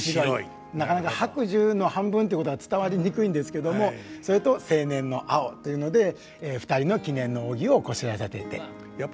なかなか白寿の半分ということが伝わりにくいんですけどもそれと青年の青というので２人の記念の扇をこしらえさせていただいて。